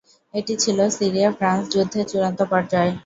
এটি ছিল সিরিয়া-ফ্রান্স যুদ্ধের চূড়ান্ত পর্যায়।